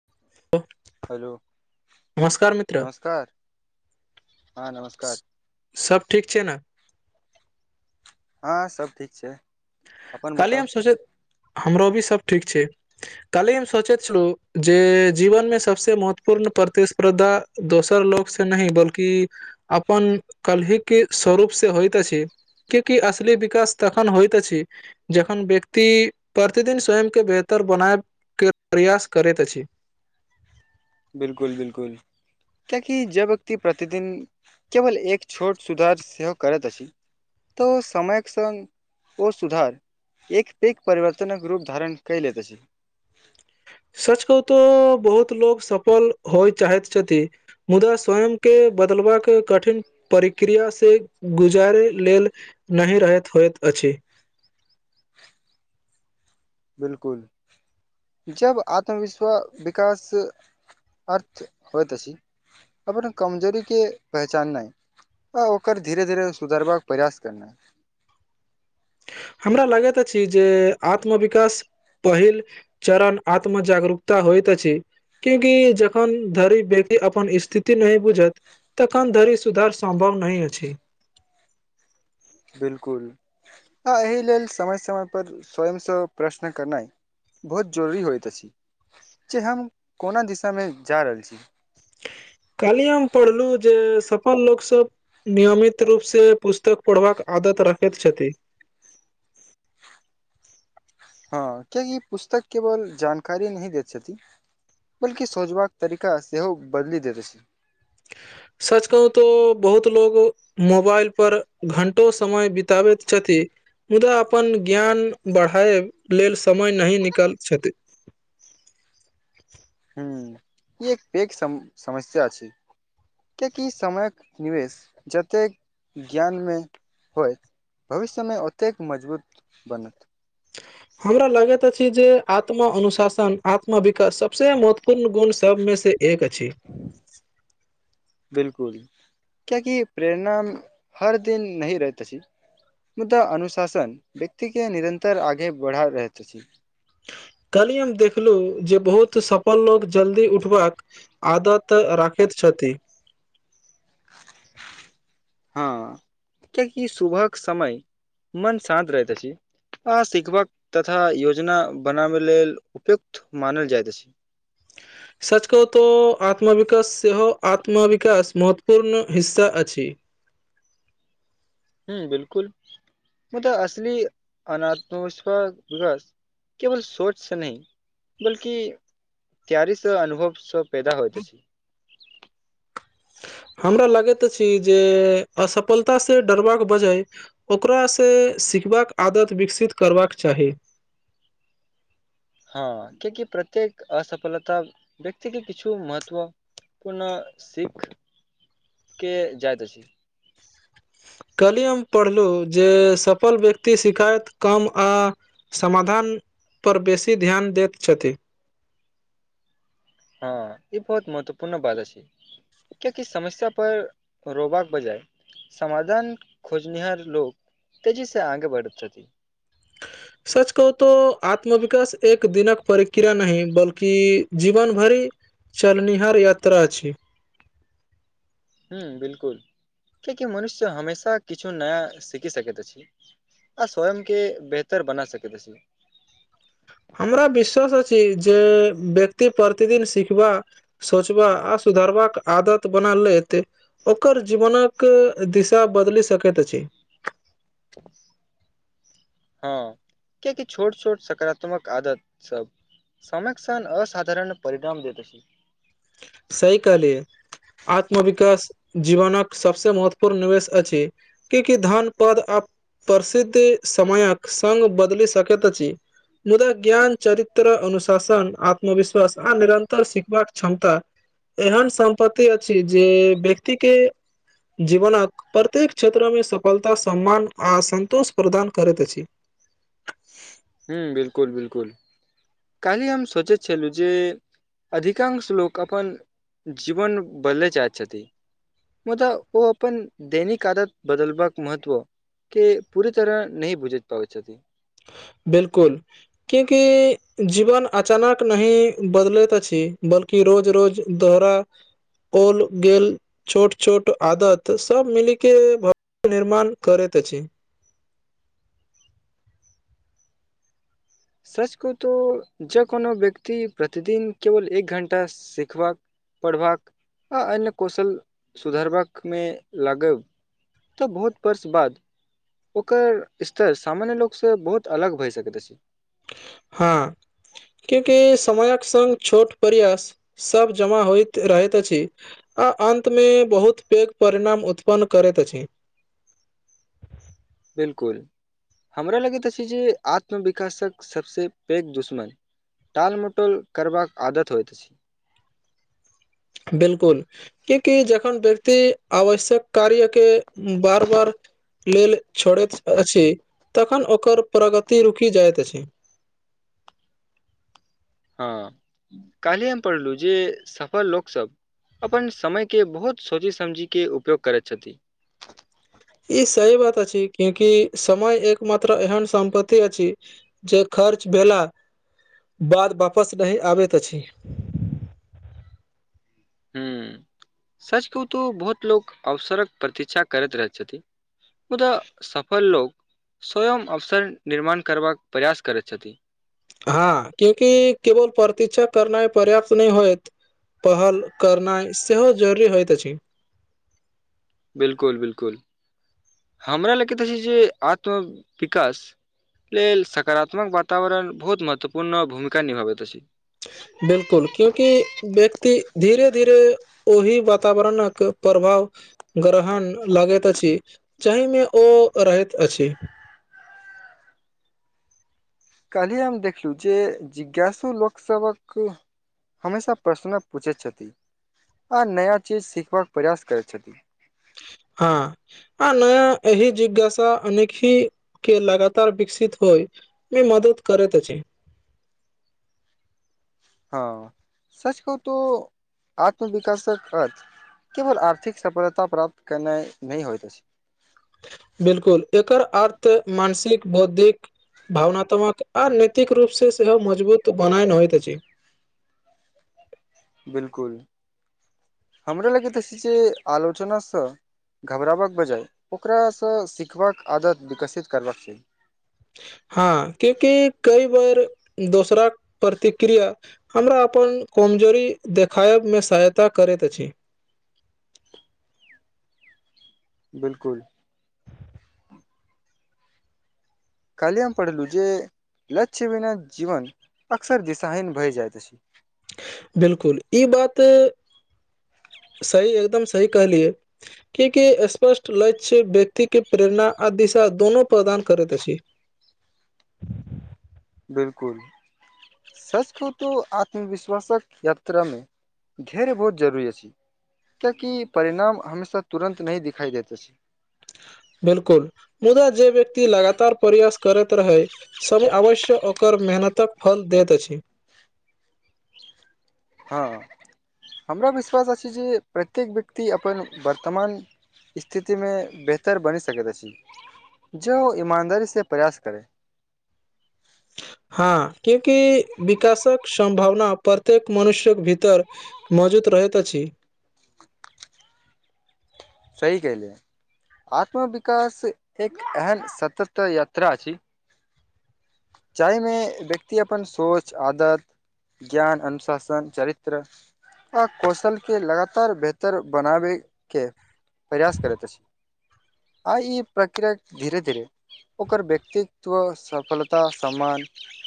[unintelligible] Hello नमस्कार मित्र नमस्कार हँ नमस्कार सब ठीक छै ने हँ सब ठीक छै। अपन कहलिय बताउ हम सोचैत हमरो भी सभ ठीक छै। काल्हि हम सोचैत छलहुँ जे जीवनमे सभसे महत्वपूर्ण प्रतिस्पर्धा दोसर लोक से नहि बल्कि अपन कलहि के स्वरूप से होइत छै। किया कि असली विकाश तखन होइत छै। जखन व्यक्ति प्रतिदिन स्वयं के बेहतर बनाय के प्रयास करैत अछि बिल्कुल बिल्कुल क्यकि जे व्यक्ति प्रतिदिन केवल एक छोट सुधार सेहो करैत अछि। तऽ समयक संग ओ सुधार एक पैघ परिवर्तनक रूप धारण कऽ लैत अछि। सच कहू तो बहुत लोग सफल होइ चाहैत छथि। मुदा स्वयं के बदलबाक कठिन प्रक्रिया से गुजारै लेल नहि रहैत होइत अछि। बिल्कुल जब आत्मविश्वास विकास अर्थ होइत अछि। अपनने कमजोरी कऽ पहचानय आ ओकर धीरे धीरे सुधारबाक प्रयास करनाइ हमरा लागैत अछि जे आत्मविकास पहिल चरण आत्मजागरूकता होइत अछि। क्यूंकि जखन धरी व्यक्ति अपन स्थिति नहि बुझत। तखन धरि सुधार सम्भव नहि अछि। बिलकुल ह एहि लेल समय समय पर स्वयंसँ प्रश्न करनाइ बहुत जरूरी होइत अछि जे हम कोना दिशामे जा रहल छी। काल्हि हम पढ़लहु जे सफल लोकसभ नियमित रूपसँ पुस्तक पढ़बाक आदत राखैत छथि। हँ किया कि पुस्तक केवल जानकारी नहि दैत छथि। बल्कि सोझबाक तरीका सेहो बदली देैत अछि सच कहू तो बहुत लोग मोबाइल पर घंटो समय बिताबैत छथि मुदा अपन ज्ञान बढ़ए लेल समय नहि निकाल छथि। हू ई एक पैघ सम समस्या छै किएकि समयके निवेश जतेक ज्ञानमे होय भविष्यमे ओतेक मजबूत बनत [inaudible] हमरा लागैत अछि जे आत्मा अनुशासन आत्मा विकास सबस महत्वपूर्ण गुण सब मे से एक अछि बिल्कुल कियाकि प्रेरणा हर दिन नही रहत छी। मुदा अनुशासन व्यक्ति के निरन्तर आगे बढ़ा रहैत अछि कली हम देखलहु जे बहुत सफल लोक जल्दी उठबाक आदत राखैत छथि हँ कियकि सुबहक समय मन शांत रहैत अछी आ सिखबाक तथा योजना बनाबे लेल उपयुक्त मानल जायइत अछि सच कह तऽ आत्मविकाश सेहो आत्मविकाश महत्वपूर्ण हिस्सा अछि [unintelligible] हू बिल्कुल मुदा असल अनात्मविश्वास विकास केवल सोच से नहि बल्कि तैयारी सऽ अनुभव सब पेदा होइत अछि हमरा लगैत अछी जे असफलता से डरबाक बजाय ओकरासँ सिखबाके आदत विकसित करबाक चाही हँ कियाकि प्रत्येक असफलता व्यक्ति के किछु महत्व पूर्ण सिख के जाइत अछि काल्हि हम पढ़लहुँ जे सफल व्यक्ति सिखाायइत कम आ समाधान पर बेसी ध्यान दैत छथि हँ ई बहुत महत्वपूर्ण बात अछि किया कि समस्या पर रोबाकबाक बजाय समधान खोजनिहार लोक तेजी से आगे बढ़ेत अछि सच कहू तो आत्मविकास एक दिनक परिक्रिया नहि बल्कि जीवन भरि चलनिहार यात्रा छै हँ बिल्कुल ककि मनुष्य हमेशा किछु नया सीखि सकैत अछि आ स्वयंके बेहतर बना सकैत अछि हमरा विश्वास अछि जे व्यक्ति प्रतिदिन सिखबा सोचब आ सुधारबाक आदत बना लेत ओकर जीवनक दिशा बदलि सकैत अछि [inaudible] हँ कियकि छोट छोट सकारात्मक आदत सब समक सान अाधारण परिणाम दैत अछी सहि कलिय है आत्मविकाश जीवनक सबसँे महत्वपूर्ण निवेश अछि किया की धान पद आ प्रसिद्ध समयक सङग बदल सकैत अछि मुदा ज्ञान चरित्र अनुशासन आत्मविश्वास आ निरन्तर सिखबाक क्षमता एहन सम्पतति अ जे व्यक्ति के जीवनक प्रत्येक क्षेत्र मे सफलता सम्मान आ सन्तोष प्रदान करैत अछि हू बिल्कुल बिल्कुल काल्हि हम सोचे छलू जे अधिकांश लोक अपन जीवन बदले चाहै छथि मुदा ओ अपन दैनिक आदत बदलबाक महत्व के पूरे तरह नहि बुझैत पाबै छथि बिल्कुल क्यूंकि जीवन अचानक नहि बदलैत अछि बल्कि- की रोज रोज दोहराओल गेल छोट छोट आदत सब मिली के भव्य निर्माण करैत अछि सच कहुं तऽ जँ कोनो व्यक्ति प्रतिदिन केवल एक घण्टा सीखबाक पढ़बाक आ अन्य कौशल सुधारबाक मे लागब तऽ बहुत वर्ष बाद ओकर स्तर सामान्य लोकसँ बहुत अलग भऽ सकैत अछि हाँ क्यूंकि समयक संङ्ग छोट प्रयास सब जमा होइत रहैत अछि आ अंत मे बहुत पैघ परिणाम उत्पन्न करैत अछि बिल्कुल हमरा लगैत अछि जे आत्मविकासक सभसँ पैघ दुश्मन टाल मटोल करबाक आदत होइत अछि बिल्कुल कियाकी जखन व्यक्ति आवश्यक कार्य के बार बार लेल छोड़ैत अछि तखन ओकर प्रगति रुकि जाइत अछि हँ काल्हिहे हम पढ़लूँ जे सफल लोक सब अपन समयके बहुत सोचि समझिके उपयोग करैत छथि ई सही बात अछि क्यूंकि की समय एक मात्र एहन सम्पति अछि जे खर्च भेला बाद वापस नहि आबैत अछि हूँ सच कहू तऽ बहुत लोक अवसरक प्रतीक्षा करैत रहैत छथि मुदा सफल लोक स्वयं अवसर निर्माण करबाक प्रयास करैत छथि हाँ क्यूंकि केवल प्रतीक्षा करनाय पर्याप्त नहि होयत पहल करनाइ सेहो जरूरी होइत अछि बिल्कुल बिल्कुल हमरा लएके तऽ छै जे आत्मविकास लेल सकारात्मक वातावरण बहुत महत्वपूर्ण भूमिका निभाबैत अछि बिल्कुल क्यूंकि व्यक्ति धीरे धीरे ओहि वातावरणक प्रभाव ग्रहण लगैत अछि जाहि मे ओ रहैत अछि काल्हि हम देखलू जे जिज्ञासु लोकसभक हमेशा प्रश्न पूछैत छथि आ नया चीज सीखबाक प्रयास करैत छथि हाँ आ नया एहि जिज्ञासा अनेखी के लगातार विकसित होइ मे मदद करैैत अछी हँ सच कहुं तो आत्मविकासक अर्थ केवल आर्थिक सफलता प्राप्त केनाइ नहि होइत अछि बिल्कुल एकर अर्थ मानसिक बौद्धिक भावनात्मक आ नैतिक रूपसँ सेहो मजबूत बनायन होइत अछि बिल्कुल हमरा लगैत अछि जे आलोचनासँ घबराबक बजाय ओकरासँ सीखबाक आदत विकसित करबाक चाही हँ क्याकि कईबार दोसराक प्रतिक्रिया हमरा अपन कमजोरी देखायबमे सहायता करैत अछि बिल्कुल काल्हि हम पढ़लू जे लक्ष्य बिना जीवन अक्सर दिशाहीन भए जाइत अछि बिल्कुल ई बात सही एकदम सही कहलियै क्याकि स्पष्ट लक्ष्य व्यक्ति के प्रेरणा आ दिशा दोनो प्रदान करैत अछि बिल्कुल सच कहू तो आत्मविश्वासक यात्रा मे धेर्य बहुत जरुरी अछी कियाकि परिणाम हमेशा तुरन्त नहि दिखाई देैत अछी बिल्कुल मुदा जे व्यक्ति लगातार प्रयास करैत रहै समय अवश्य ओकर मेहनतक फल देत अछि हँ हमरा विश्वास अछि जे प्रत्येक व्यक्ति अपन वर्तमान स्थितिमे बेहतर बनि सकैत अछि जौ ईमानदारी से प्रयास करै हँ क्यूकि विकासक संभावना प्रत्येक मनुष्यक भीतर मौजूत रहैत अछि सही कहलियै आत्मविकास एक एहन सतत यात्रा अछि जाहिमे व्यक्ति अपन सोच आदत ज्ञान अनुशासन चरित्र आ कौशलके लगातार बेहतर बनाबैके प्रयास करैत अछी आ ई प्रक्रियाक धीरे धीरे ओकर व्यक्तित्व सफलता सम्मान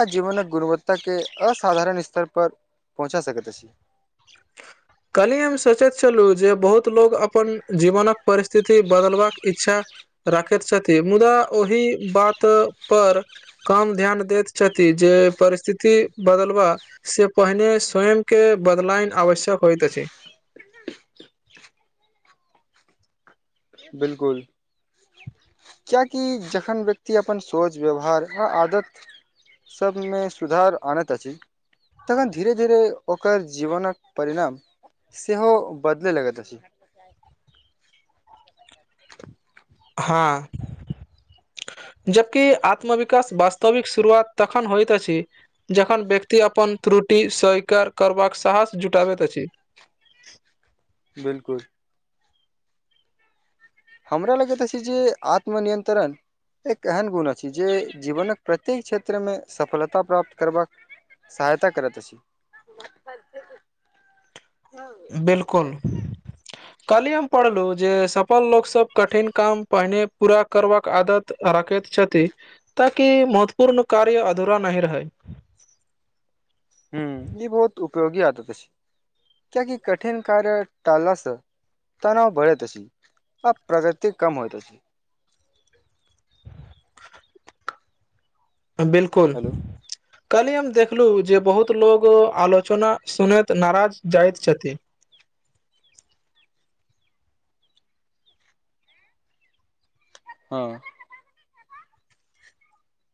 आ जीवनक गुणवत्ताके असाधारण अस्तर पर पहुँचा सकैत अछि कल्हि हम सोचैत छलु जे बहुत लोक अपन जीवनक परिस्थिति बदलबाक इच्छा राखैत छथि मुदा ओहि बात पर कम ध्यान दैत छथि जे परिस्थिति बदलवा से पहिने स्वयं के बदलायन आवश्यक होयइत अछि बिल्कुल कियाकि जखन व्यक्ति अपन सोच व्यवहार आ आदत सबमे सुधार अनैत अछि तखन धीरे धीरे ओकर जीवनक परिणाम सेहों बदले लगैत अछि [inaudible] हाँ जते आत्मविकास वास्तविक शुरुआत तखन होइत अछि जखन व्यक्ति अपन त्रुटि स्वीकार करबाक साहस जुटाबैत अछि बिल्कुल हमरा लगै तऽ अछी जे आत्मनियंन्त्रण एक एहन गुण अछि जे जीवनक प्रत्येक क्षेत्रमे सफलता प्राप्त करबाक सहायता करत अछि बस [unintelligible] बिल्कुल कली हम पढ़लु जे सफल लोक सब कठिन काम पहिने पूरा करबाक आदत राखैत छथि ताकि महत्वपूर्ण कार्य अधूरा नही रहै हू ई बहुत उपयोगी आदत अछी कियाकी कठिन कार्य टालस तनाव बरैत अछी आ प्रगति कम होइत अछी बिल्कुल हेलो कल्हि हम देखलु जे बहुत लोको आलोचना सुनैत नाराज जाइत छथि हँ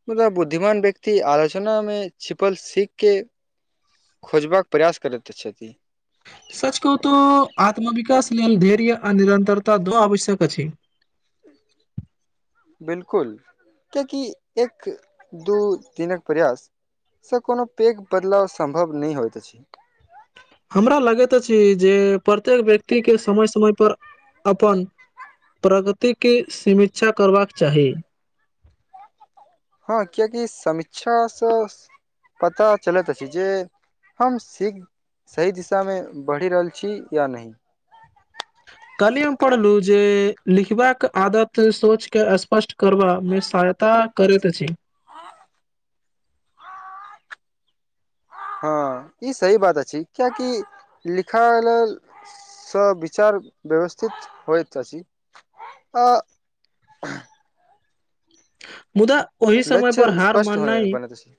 मलब बुद्धिमान व्यक्ति आलोचना मे छिपल सीख के खोजबाक प्रयास करैतऽ छथि सच कहु तो आत्मविकास लेल धैर्य आ निरंतरता दोनो आवश्यक अछि बिलकुल कीयाकि एक दू दिनक प्रयास से कोनो पैघ बदलाव सम्भव नै होइत अछि हमरा लगैत अछि जे प्रत्येक व्यक्तिके समय समयपर अपन प्रगतिके सीमीक्षा करबाक चाही हँ कियकि समीक्षा स पता चलैत अछि जे हम सिख सही दिशामे बढ़ि रहल छी या नै कलहि हम पढ़लु जे लिखबाक आदत सोच के स्पष्ट करबा मे सहायता करैत‌ अछी हँ ई सही बात अछि किआकि लिखा लेल स विचार व्यवस्थित होयत अछि अ मुदा ओहि समय पर लक्ष्य हार स्पष्ट होय माननाइ बनैत अछि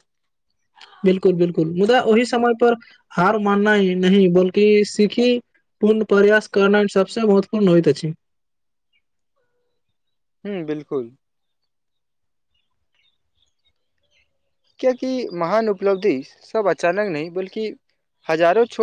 बिलकुल बिल्कुल मुदा ओहि समय पर हार माननाय ह नहि बलकि सीखी पूर्ण प्रयास करना सबस महत्वपूर्ण होइत अछि हुॅं बिलकुल कियाकिमहान उपलब्धि सब अचानक नहि बल्कि हजारो छोट [unintelligible]